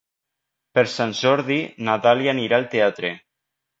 Per Sant Jordi na Dàlia anirà al teatre.